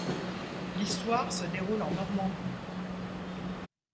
L’histoire se déroule en Normandie.